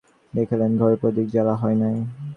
দেখিলেন ঘরে প্রদীপ জ্বালা হয় নাই।